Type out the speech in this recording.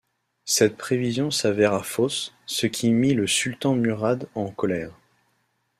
Cette prévision s'avéra fausse, ce qui mit le sultan Murad en colère.